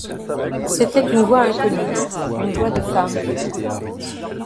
C'était une voix inconnue, une voix de femme.